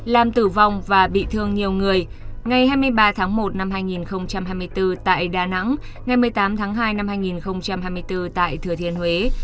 làm tử vong và bị thương nhiều người ngày hai mươi ba tháng một năm hai nghìn hai mươi bốn tại đà nẵng ngày một mươi tám tháng hai năm hai nghìn hai mươi bốn tại thừa thiên huế